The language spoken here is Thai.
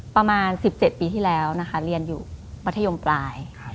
ประมาณ๑๗ปีที่แล้วนะคะเรียนอยู่มัธยมปลาย